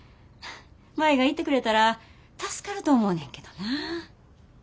舞が行ってくれたら助かると思うねんけどな。